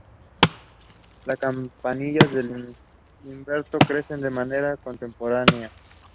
Las "campanillas de invierno" crecen de manera espontánea en bosques húmedos y frescos.